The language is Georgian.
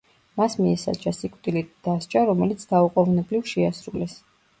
მას მიესაჯა სიკვდილით დასჯა, რომელიც დაუყოვნებლივ შეასრულეს.